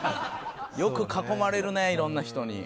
よく囲まれるね色んな人に。